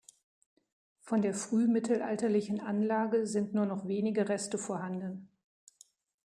Von der frühmittelalterlichen Anlage sind nur noch wenige Reste vorhanden.